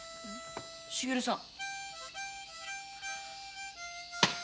茂さん。